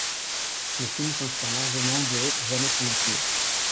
Le film s'inspire largement de jamais sans ma fille.